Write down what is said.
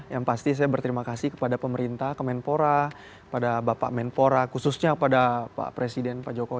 yang pasti saya berterima kasih kepada pemerintah ke menpora kepada bapak menpora khususnya kepada pak presiden pak jokowi